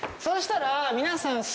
そうしたら皆さん